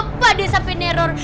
kenapa dia sampai teror